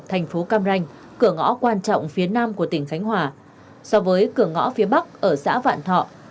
thành phố cam ranh cửa ngõ quan trọng phía nam của tỉnh khánh hòa so với cửa ngõ phía bắc ở xã vạn thọ